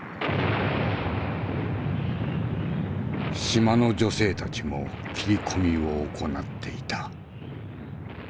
島の女性たちも斬り込みを行っていた。